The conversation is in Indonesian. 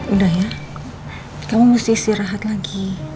udah ya kamu mesti istirahat lagi